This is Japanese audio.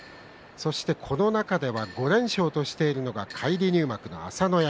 この中では５連勝としているのが返り入幕の朝乃山